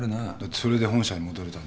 それで本社に戻れたんでしょ。